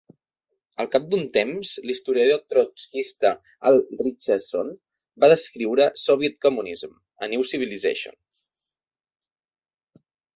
Al cap d'un temps, l'historiador trotskista Al Richardson va descriure " Soviet Communism: A New Civilization?"